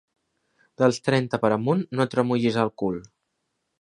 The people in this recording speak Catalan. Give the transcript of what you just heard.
Dels trenta per amunt no et remullis el cul.